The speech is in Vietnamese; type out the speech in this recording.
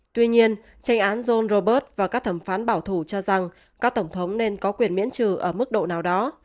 tuy nhiên tranh án john roberg và các thẩm phán bảo thủ cho rằng các tổng thống nên có quyền miễn trừ ở mức độ nào đó